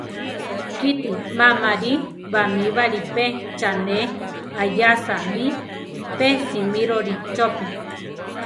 Kite má marí bamíbali pe cha ne aʼyása mí; pe simíroli chopí.